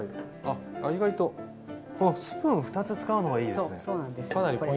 このスプーン２つ使うのがいいですね。